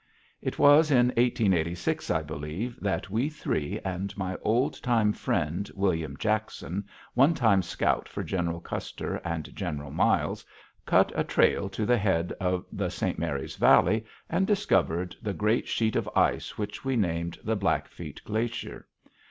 It was in 1886, I believe, that we three, and my old time friend, William Jackson, one time scout for General Custer and General Miles, cut a trail to the head of the St. Mary's Valley and discovered the great sheet of ice which we named the Blackfeet Glacier.